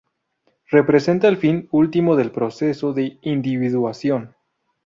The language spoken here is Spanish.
Representa el fin último del proceso de individuación.